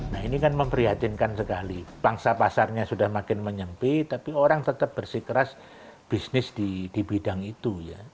nah ini kan memprihatinkan sekali bangsa pasarnya sudah makin menyempit tapi orang tetap bersikeras bisnis di bidang itu ya